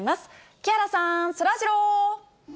木原さん、そらジロー。